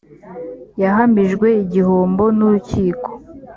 yahamijwe igihombo n ‘urukiko .